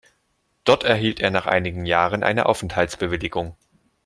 Dort erhielt er nach einigen Jahren eine Aufenthaltsbewilligung.